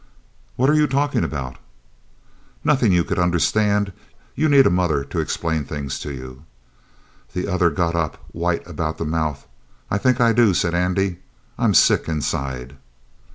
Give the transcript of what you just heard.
"What are you talking about?" "Nothin' you could understand; you need a mother to explain things to you." The other got up, white about the mouth. "I think I do," said Andy. "I'm sick inside."